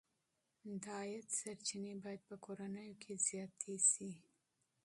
د عاید سرچینې باید په کورنیو کې زیاتې شي.